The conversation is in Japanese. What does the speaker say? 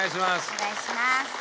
お願いします。